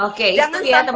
oke itu ya teman teman